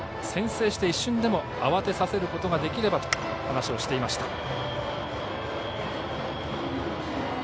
先制して一瞬でも慌てさせることができればと話をしていました。